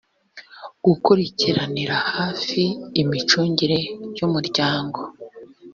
gukurikiranira hafi imicungire y’umuryango